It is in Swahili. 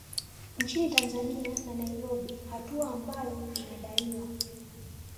Nchini Tanzania na Nairobi hatua ambayo inadaiwa